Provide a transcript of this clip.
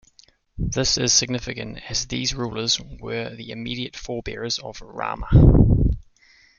This is significant as these rulers were the immediate forebears of Rama.